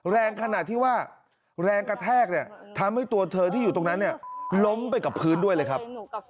แรงขนาดที่ว่าแรงกระแทกเนี่ยทำให้ตัวเธอที่อยู่ตรงนั้นเนี่ยล้มไปกับพื้นด้วยเลยครับ